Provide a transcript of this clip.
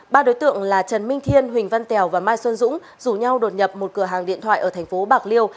ba đối tượng là trần minh thiên huỳnh văn tèo và mai xuân dũng rủ nhau đột nhập một cửa hàng điện thoại ở thành phố bạc liêu